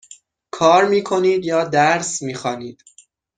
کار می کنید یا درس می خوانید؟